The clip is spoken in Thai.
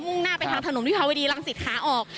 มุ่งหน้าไปทางถนนวิทยาววิธีรังสิทธิ์ค้าออก